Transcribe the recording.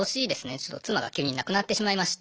ちょっと妻が急に亡くなってしまいまして。